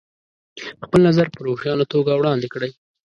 خپل نظر په روښانه توګه وړاندې کړئ.